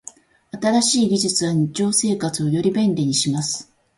新しい技術は日常生活をより便利にします。